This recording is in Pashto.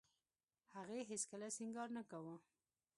هغې هېڅ کله سينګار نه کاوه.